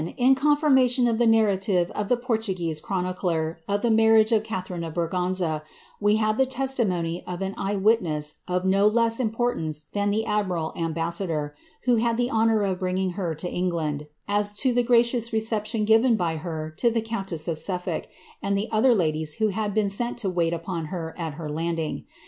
995 1, in confirmation of the narrative of the Portuguese chroni* larriagfe of Catharine of Braganza, we have the testimony of ;S8 of no less importance than the admiral ambassador, who our of bringing her to England, as to the gracious reception * to the countess of Suffolk, and the other ladies who had » wait upon her at her landing.